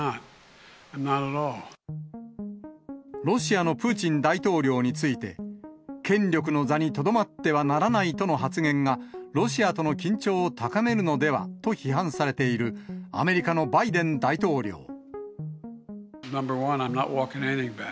ロシアのプーチン大統領について、権力の座にとどまってはならないとの発言が、ロシアとの緊張を高めるのではと批判されている、アメリカのバイデン大統領。